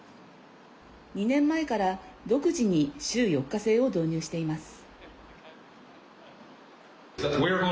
２年前から独自に週４日制を導入しています。